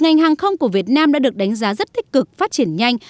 ngành hàng không của việt nam đã được đánh giá rất thích cực phát triển nhanh